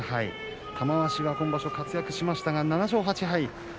玉鷲、今場所活躍しましたが７勝８敗。